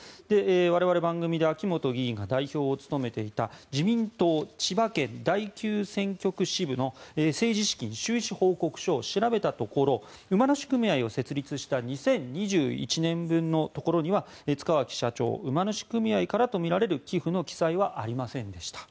我々、番組で秋本議員が代表を務めていた自民党千葉県第９選挙区支部の政治資金収支報告書を調べたところ馬主組合を設立した２０２１年分のところには塚脇社長、馬主組合からとみられる寄付の記載はありませんでした。